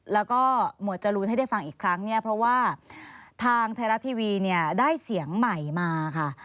แล้วก็หมวดจรูนให้ได้ฟังอีกครั้งเนี่ยเพราะว่าทางไทยรัฐทีวีเนี่ยได้เสียงใหม่มาค่ะ